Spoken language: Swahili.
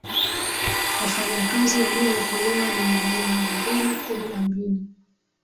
wafanyakazi waliyookolewa ni mia mbili kumi na mbili